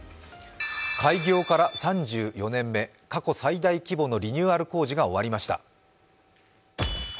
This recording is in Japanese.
開業から３４年目、過去最大規模のリニューアル工事が終わりました。